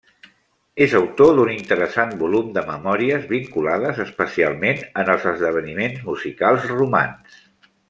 És autor d'un interessant volum de memòries, vinculades especialment en els esdeveniments musicals romans.